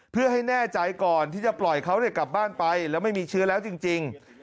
เพื่อให้แน่ใจก่อนที่จะปล่อยเขากลับบ้านไปแล้วไม่มีเชื้อแล้วจริง